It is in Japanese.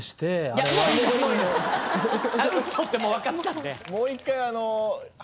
あれ嘘ってもう分かったんで。